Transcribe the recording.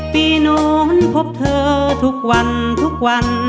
ปีโน้นพบเธอทุกวันทุกวัน